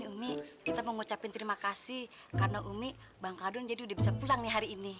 iya mpok ini kita mengucapkan terima kasih karena umi bang kadun jadi bisa pulang hari ini